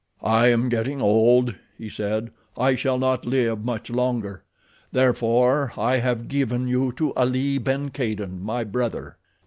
"I am getting old," he said, "I shall not live much longer. Therefore I have given you to Ali ben Kadin, my brother."